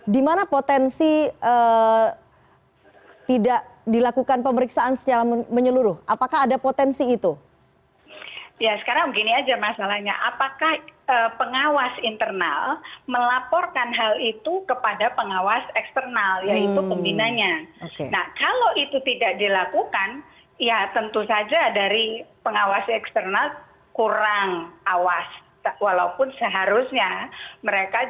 dalam dapat itu akan kita dalami